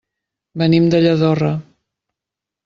Venim de Lladorre.